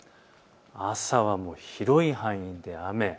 朝はもう広い範囲で雨。